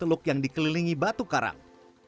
teluk yang dikelilingi batu karang